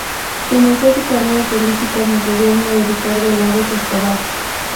Comenzó su carrera política en el gobierno de Ricardo Lagos Escobar.